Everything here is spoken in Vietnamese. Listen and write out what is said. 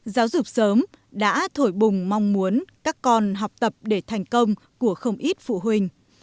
giáo dục sớm đã thổi bùng mong muốn các con học tập để thành công của không ít phụ huynh